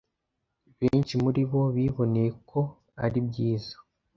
Benshi muri bo biboneye ko ari byiza.